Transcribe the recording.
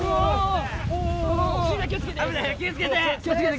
気を付けて！